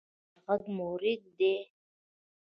ایا غږ مو ریږدي؟